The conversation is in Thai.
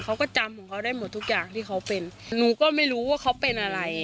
เขาก็จำของเขาได้หมดทุกอย่างที่เขาเป็นหนูก็ไม่รู้ว่าเขาเป็นอะไร